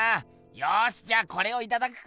よしじゃこれをいただくか。